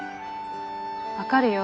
分かるよ。